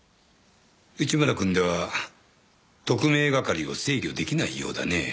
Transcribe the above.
内村くんでは特命係を制御出来ないようだね。